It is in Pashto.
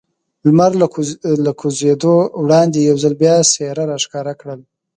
لمر له کوزېدو وړاندې یو ځل بیا څېره را ښکاره کړل.